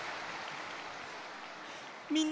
みんな！